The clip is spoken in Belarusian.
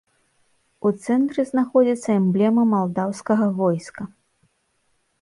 У цэнтры знаходзіцца эмблема малдаўскага войска.